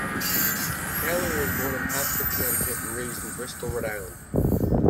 Callery was born in Hartford, Connecticut and raised in Bristol, Rhode Island.